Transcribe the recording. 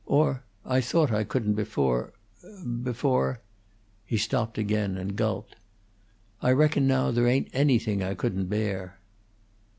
Or I thought I couldn't before before " He stopped again, and gulped. "I reckon now there ain't anything I couldn't bear."